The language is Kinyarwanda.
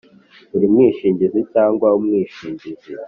Buri mwishingizi cyangwa umwishingizi